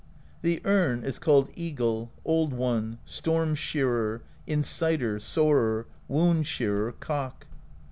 The erne is called Eagle, Old One, Storm Shearer, Inciter, Soarer, Wound Shearer, Cock.